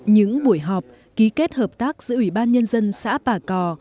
những buổi họp ký kết hợp tác giữa ủy ban nhân dân xã bà cò